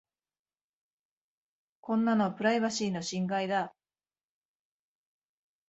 こんなのプライバシーの侵害だ。